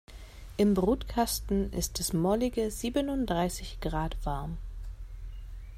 Im Brutkasten ist es mollige siebenunddreißig Grad warm.